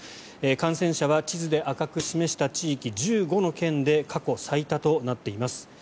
感染者は地図で赤く示した地域１５の県で過去最多となっています。